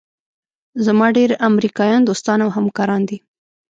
زما ډېر امریکایان دوستان او همکاران دي.